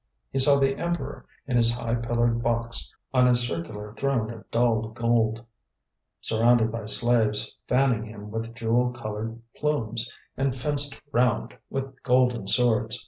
He saw the Emperor in his high pillared box, on his circular throne of dull gold, surrounded by slaves fanning him with jewel coloured plumes, and fenced round with golden swords.